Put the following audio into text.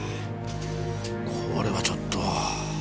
これはちょっと。